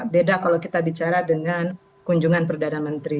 beda kalau kita bicara dengan kunjungan perdana menteri